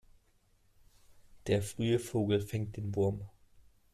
Der frühe Vogel fängt den Wurm.